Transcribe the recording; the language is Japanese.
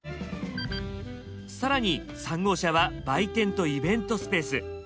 更に３号車は売店とイベントスペース。